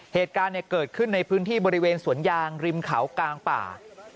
เหตุการณ์เกิดขึ้นในพื้นที่บริเวณสวนยางริมเขากลางป่า